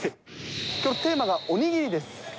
きょうのテーマがおにぎりです。